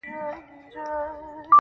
کيسه د بحث مرکز ګرځي تل,